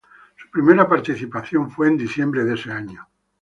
Su primera participación fue en diciembre de ese año.